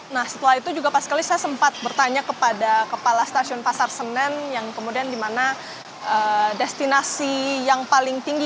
nah setelah itu juga pas kali saya sempat bertanya kepada kepala stasiun pasar senen yang kemudian di mana destinasi yang paling tinggi